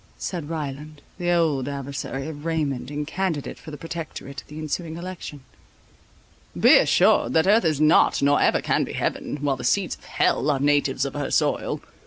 said Ryland, the old adversary of Raymond, and candidate for the Protectorate at the ensuing election. "Be assured that earth is not, nor ever can be heaven, while the seeds of hell are natives of her soil.